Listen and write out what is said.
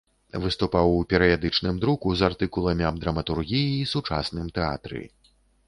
Выступаў у перыядычным друку з артыкуламі аб драматургіі і сучасным тэатры.